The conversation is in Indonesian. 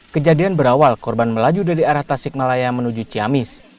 kejadian berawal korban melaju dari arah tasik malaya menuju ciamis